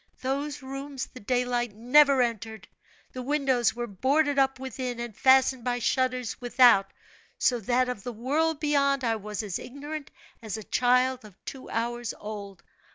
Those rooms the daylight never entered, the windows were boarded up within, and fastened by shutters without, so that of the world beyond I was as ignorant as a child of two hours old.